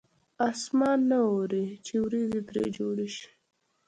اسمان نه اوري چې ورېځې ترې جوړې شي.